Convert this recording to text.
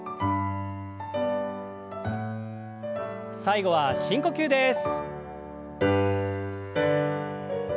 最後は深呼吸です。